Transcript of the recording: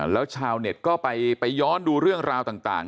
แล้วชาวเน็ตก็ไปย้อนดูเรื่องราวต่าง